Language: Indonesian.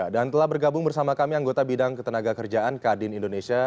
dan telah bergabung bersama kami anggota bidang ketenaga kerjaan kadin indonesia